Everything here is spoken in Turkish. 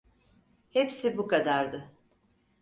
Hepsi bu kadardı.